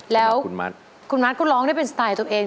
แล้วคุณมาร์ทก็ร้องได้เป็นสไตล์ตัวเอง